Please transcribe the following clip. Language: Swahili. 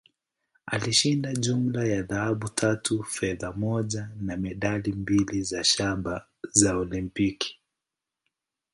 Alishinda jumla ya dhahabu tatu, fedha moja, na medali mbili za shaba za Olimpiki.